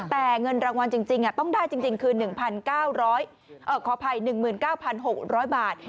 แต่เงินรางวัลจริงต้องได้จริงคือ๑๙๖๐๐บาท